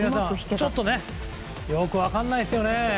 ちょっとよく分からないですよね。